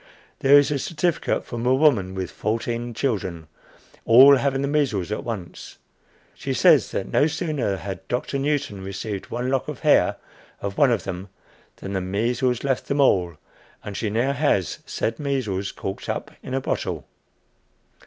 There is a certificate from a woman with fourteen children, all having the measles at once. She says that no sooner had Doctor Newton received one lock of hair of one of them, than the measles left them all, and she now has said measles corked up in a bottle!